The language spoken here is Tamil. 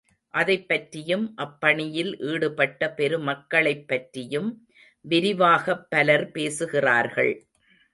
அதைப் பற்றியும் அப்பணியில் ஈடுபட்ட பெருமக்களைப் பற்றியும் விரிவாகப் பலர் பேசுகிறார்கள்.